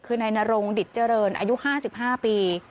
คือนายนโรงดิจเจริญอายุห้าสิบห้าปี